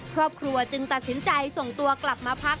ครอบครัวจึงตัดสินใจส่งตัวกลับมาพัก